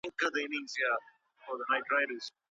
امیندوارۍ کي کوم درمل منع دي؟